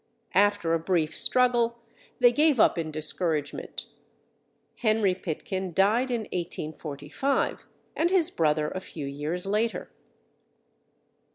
After a brief struggle, they gave up in discouragement. Henry Pitkin died in 1845, and his brother, a few years later.